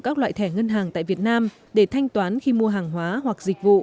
các loại thẻ ngân hàng tại việt nam để thanh toán khi mua hàng hóa hoặc dịch vụ